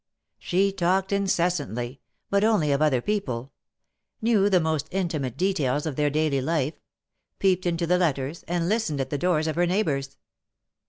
She talked incessantly, but only of other people — knew the most intimate details of their daily life; peeped into the letters, and listened at the doors of her neighbors.